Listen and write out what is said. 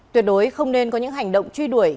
tuyệt đối không nên có những hành động truy đuổi